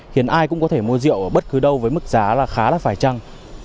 khiến ai cũng có thể mua rượu ở bất cứ đâu với mức giá là khá là phải trăng